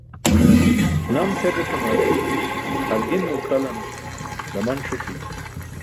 Nams het etumar hargin nultalan daman ṣi̇c̣i.